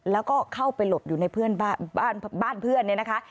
แล้วก็เข้าไปหลบอยู่ในบ้านเพื่อนเนี่ยนะคะ